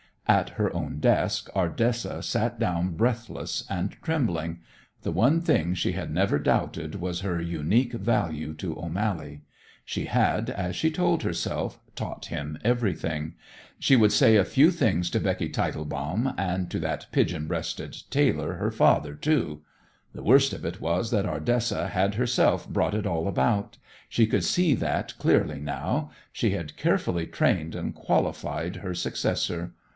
At her own desk Ardessa sat down breathless and trembling. The one thing she had never doubted was her unique value to O'Mally. She had, as she told herself, taught him everything. She would say a few things to Becky Tietelbaum, and to that pigeon breasted tailor, her father, too! The worst of it was that Ardessa had herself brought it all about; she could see that clearly now. She had carefully trained and qualified her successor.